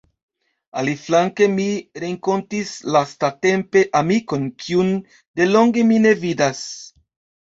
Aliflanke, mi renkontis lastatempe amikon, kiun delonge mi ne vidas.